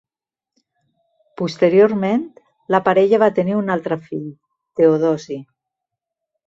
Posteriorment la parella va tenir un altre fill, Teodosi.